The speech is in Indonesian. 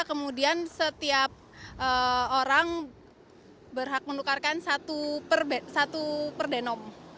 kemudian setiap orang berhak menukarkan satu per denom